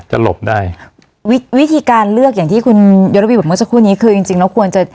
หลบได้วิธีการเลือกอย่างที่คุณยศระวีบอกเมื่อสักครู่นี้คือจริงจริงแล้วควรจะ